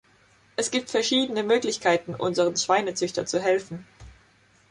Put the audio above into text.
Es gibt verschiedenen Möglichkeiten, unseren Schweinezüchtern zu helfen.